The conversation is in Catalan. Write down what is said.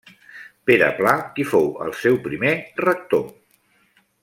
Pere Pla qui fou el seu primer rector.